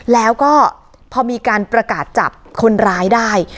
แล้วก็พอมีการประกาศจับคนร้ายได้